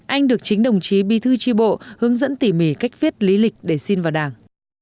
anh được chính đồng chí bi thư tri bộ hướng dẫn tỉ mỉ cách viết lý lịch để xin vào đảng